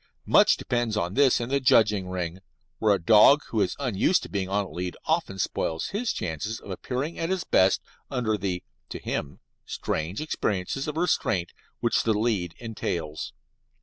Much depends on this in the judging ring, where a dog who is unused to being on a lead often spoils his chances of appearing at his best under the (to him) strange experiences of restraint which the lead entails.